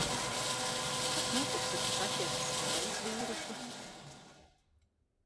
Kas notiks, ja tu saķersi Svēles vīrusu?